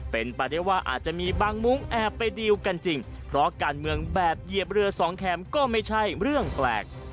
เป็นไปได้ว่าอาจจะมีบางมุ้งแอบไปดีลกันจริงเพราะการเมืองแบบเหยียบเรือสองแคมป์ก็ไม่ใช่เรื่องแปลก